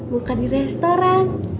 buka di restoran